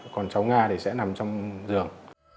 còn cháu nga thì sẽ nằm trong giường